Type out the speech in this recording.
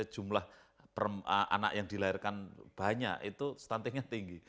jumlah anak yang dilahirkan banyak itu stuntingnya tinggi